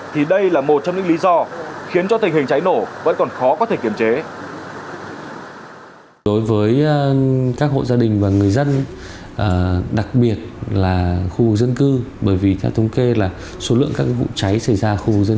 thì đây là một trong những lý do